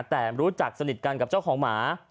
แต่รู้จักสนิทกันกับเจ้าของหมา